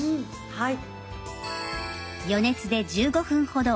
はい。